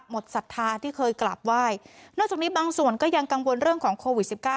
ศรัทธาที่เคยกราบไหว้นอกจากนี้บางส่วนก็ยังกังวลเรื่องของโควิดสิบเก้า